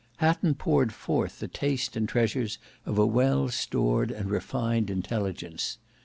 Hatton poured forth the taste and treasures of a well stored and refined intelligence.